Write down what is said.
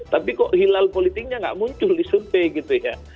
tapi kok hilal politiknya nggak muncul di survei gitu ya